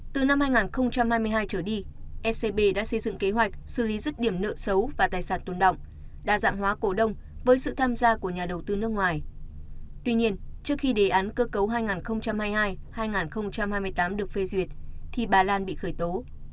tuy nhiên trước khi đề án cơ cấu hai nghìn hai mươi hai hai nghìn hai mươi tám được phê duyệt thì bà lan bị khởi tố